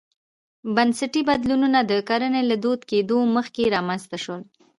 بنسټي بدلونونه د کرنې له دود کېدو مخکې رامنځته شول.